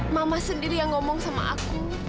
mama sendiri yang ngomong sama aku